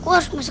aku mau masuk